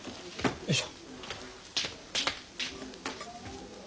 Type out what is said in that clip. おいしょ。